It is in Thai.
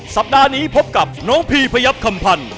สัปดาห์นี้พบกับน้องพีพยับคำพันธ์